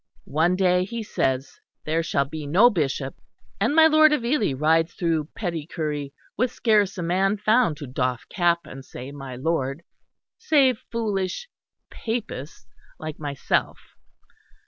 One day he says there shall be no bishop and my Lord of Ely rides through Petty Cury with scarce a man found to doff cap and say 'my lord' save foolish 'Papists' like myself!